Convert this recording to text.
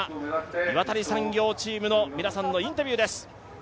岩谷産業チームの皆さんのインタビューです。